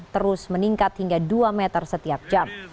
terus meningkat hingga dua meter setiap jam